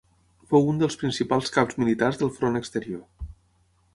Fou un dels principals caps militars del Front Exterior.